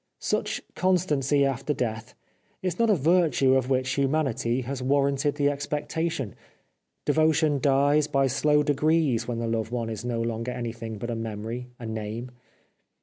Such constancy after death is not a virtue of which humanity has warranted the expectation. Devotion dies by slow degrees when the loved one is no longer anything but a memory, a name.